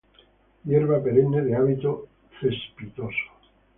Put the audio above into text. Hierba perenne de hábito cespitoso.